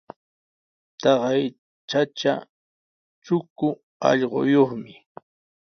Taqay chacha trusku allquyuqmi.